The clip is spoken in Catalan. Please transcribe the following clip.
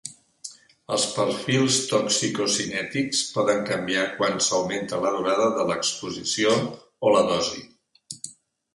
Els perfils toxicocinètics poden canviar quan s'augmenta la durada de l'exposició o la dosi.